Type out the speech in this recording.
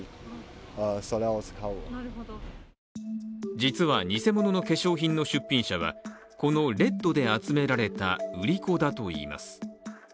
実は偽物の化粧品の出品者はこのＲＥＤで集められた売り子だといいます。